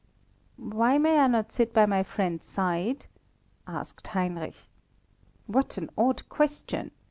"Why may I not sit by my friend's side?" asked Heinrich. "What an odd question!"